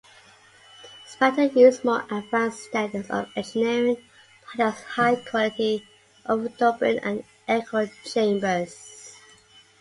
Spector used more advanced standards of engineering, such as high-quality overdubbing and echo chambers.